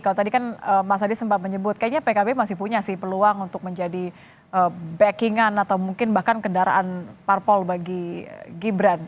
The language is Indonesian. kalau tadi kan mas adi sempat menyebut kayaknya pkb masih punya sih peluang untuk menjadi backing an atau mungkin bahkan kendaraan parpol bagi gibran